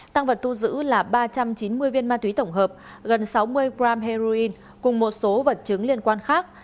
tăng vật thu giữ là ba trăm chín mươi viên ma túy tổng hợp gần sáu mươi g heroin cùng một số vật chứng liên quan khác